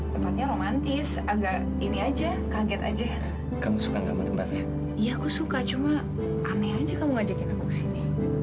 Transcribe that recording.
tempatnya romantis agak ini aja kaget aja kamu suka kamu tempatnya ya aku suka cuma aneh aja kamu ngajakin aku kesini